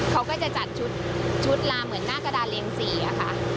เขาก็จะจัดชุดมาเหมือนหน้ากระดานเลี้ย๔ค่ะ